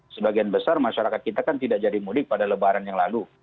sebagian besar masyarakat kita kan tidak jadi mudik pada lebaran yang lalu